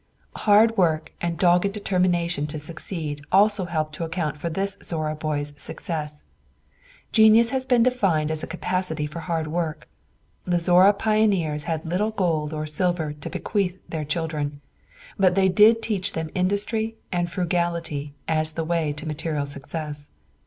Hard work and a dogged determination to succeed also help to account for this Zorra boy's success. Genius has been defined as a capacity for hard work. The Zorra pioneers had little gold or silver to bequeath their children, but they did teach them industry and frugality as the way to material success.